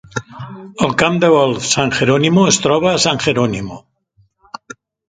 El camp de golf San Geronimo es troba a San Geronimo.